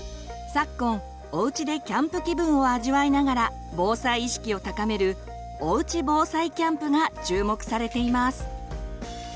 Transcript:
昨今おうちでキャンプ気分を味わいながら防災意識を高める「おうち防災キャンプ」が注目されています。